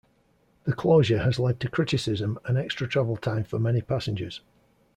The closure has led to criticism and extra travel time for many passengers.